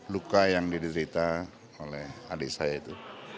luka yang diderita oleh adik saya itu